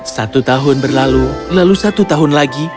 satu tahun berlalu lalu satu tahun lagi